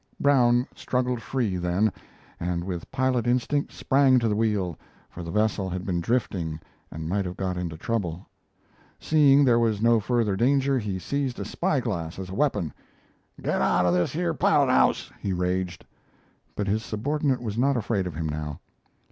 Brown struggled free, then, and with pilot instinct sprang to the wheel, for the vessel had been drifting and might have got into trouble. Seeing there was no further danger, he seized a spy glass as a weapon. "Get out of this here pilot house," he raged. But his subordinate was not afraid of him now.